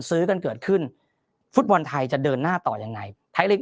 ซื้อกันเกิดขึ้นฟุตบอลไทยจะเดินหน้าต่อยังไงไทยลีก